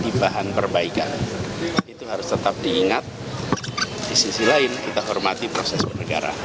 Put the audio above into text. dan jadi bahan perbaikan itu harus tetap diingat di sisi lain kita hormati proses bernegara